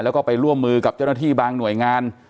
แล้วก็ไปร่วมมือกับเจ้าหน้าที่บางหน่วยงาน